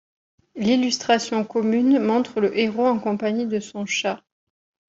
L'illustration commune montre le héros en compagnie de son chat.